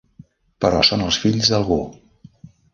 Però són els fills d'algú.